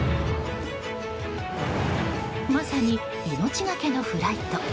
まさに命がけのフライト。